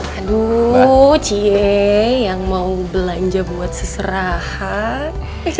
aduh cie yang mau belanja buat seserahan